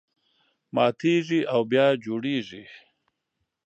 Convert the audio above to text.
ماتېږي او بیا جوړېږي.